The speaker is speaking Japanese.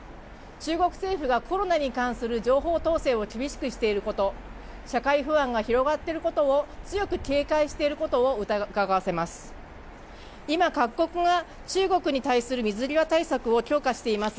中国政府がコロナに関する情報統制を厳しくしていること、社会不安が広がっていることを強く警戒していることをうかがわせます。